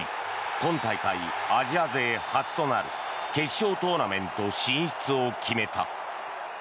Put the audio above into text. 今大会アジア勢初となる決勝トーナメント進出を決めた。